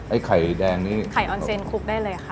ไข่แดงนี่ไข่ออนเซนคลุกได้เลยค่ะ